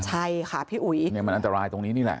ใช่ค่ะพี่อุ๋ยเนี่ยมันอันตรายตรงนี้นี่แหละ